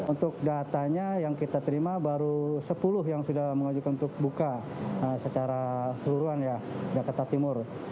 untuk datanya yang kita terima baru sepuluh yang sudah mengajukan untuk buka secara seluruhan ya jakarta timur